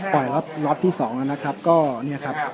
โปรดรอปที่สองนะครับก็เนี้ยครับก็